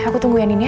aku tungguin ini ya